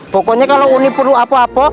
pokoknya kalau uni perlu apa apa